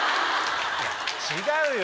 違うよ！